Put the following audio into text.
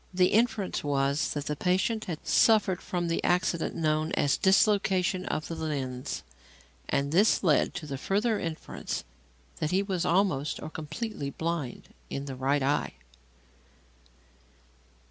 The inference was that the patient had suffered from the accident known as "dislocation of the lens"; and this led to the further inference that he was almost or completely blind in the right eye.